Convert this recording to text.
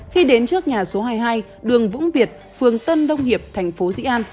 khi đến trước nhà số hai mươi hai đường vũng việt phường tân đông hiệp thành phố dĩ an